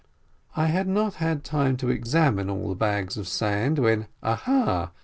I had not had time to examine all the bags of sand, when, aha !